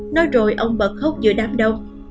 nói rồi ông bật khóc giữa đám đông